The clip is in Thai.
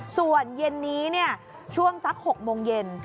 ส่วนเย็นนี้ช่วงสัก๖โมงเย็น